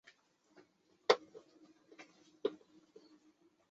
这两次分别被称为第一次康藏纠纷和第二次康藏纠纷。